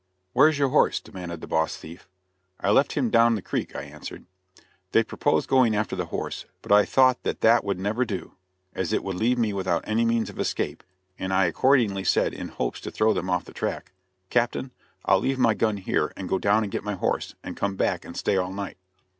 "Where's your horse?" demanded the boss thief. "I left him down the creek," I answered. They proposed going after the horse, but I thought that that would never do, as it would leave me without any means of escape, and I accordingly said, in hopes to throw them off the track, "Captain, I'll leave my gun here and go down and get my horse, and come back and stay all night."